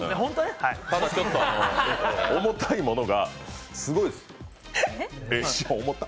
ただ、重たいものがすごいです。